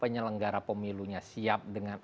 penyelenggara pemilikannya siap dengan